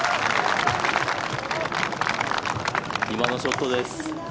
今のショットです。